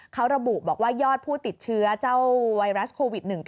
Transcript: เขาระบุบอกว่ายอดผู้ติดเชื้อเจ้าไวรัสโควิด๑๙